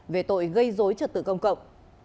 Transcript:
về tội gây dối trật tự công cộng